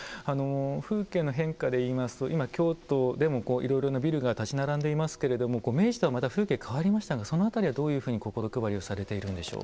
風景の変化で言いますと今、京都でもいろいろなビルが建ち並んでいますけれども明治とはまた風景が変わりましたがそのあたりはどういうふうに心配りをされているんでしょう。